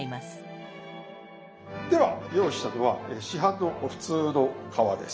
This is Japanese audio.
では用意したのは市販の普通の皮です。